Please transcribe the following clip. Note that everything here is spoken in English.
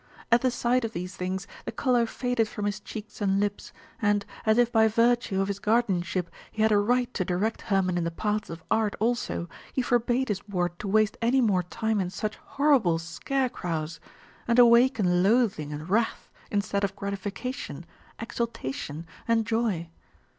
At the sight of these things the colour faded from his cheeks and lips, and, as if by virtue of his guardianship he had a right to direct Hermon in the paths of art also, he forbade his ward to waste any more time in such horrible scarecrows, and awaken loathing and wrath instead of gratification, exultation, and joy.